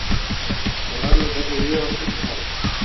borrar lo que ha sucedido y empezar de cero...